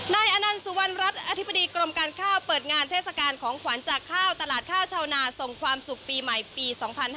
อนันต์สุวรรณรัฐอธิบดีกรมการข้าวเปิดงานเทศกาลของขวัญจากข้าวตลาดข้าวชาวนาส่งความสุขปีใหม่ปี๒๕๕๙